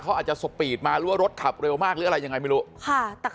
เขาอาจจะสปีดมาหรือว่ารถขับเร็วมากหรืออะไรยังไงไม่รู้